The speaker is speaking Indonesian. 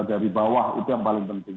dari bawah itu yang paling penting